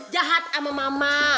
jahat sama mama